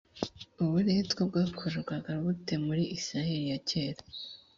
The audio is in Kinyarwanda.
uburetwa bwakorwaga bute muri isirayeli ya kera